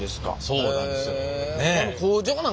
そうなんですよ。